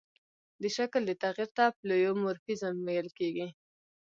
د شکل دې تغیر ته پلئومورفیزم ویل کیږي.